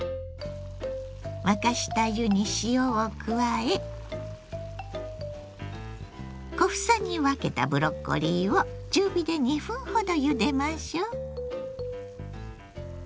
沸かした湯に塩を加え小房に分けたブロッコリーを中火で２分ほどゆでましょう。